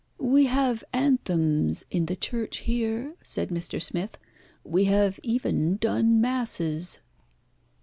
"We have anthems in the church here," said Mr. Smith. "We have even done masses."